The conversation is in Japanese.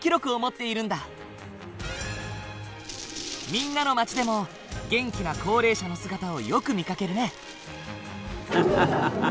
みんなの街でも元気な高齢者の姿をよく見かけるね。